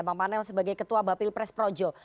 bang panel sebagai ketua bapil pres projo